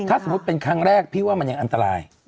ถ้าสมมุติเป็นครั้งแรกพี่ว่ามันยังอันตราย